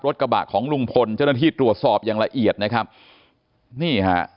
กระบะของลุงพลเจ้าหน้าที่ตรวจสอบอย่างละเอียดนะครับนี่ฮะ